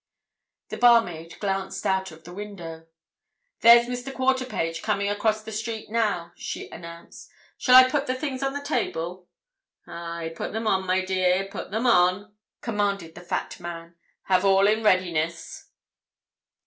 The barmaid glanced out of the window. "There's Mr. Quarterpage coming across the street now," she announced. "Shall I put the things on the table?" "Aye, put them on, my dear, put them on!" commanded the fat man. "Have all in readiness."